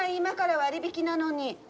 今から割引なのに。